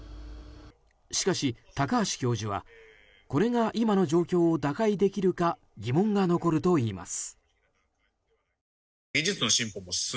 しかし、高橋教授はこれが今の状況を打開できるか疑問が残るといいます。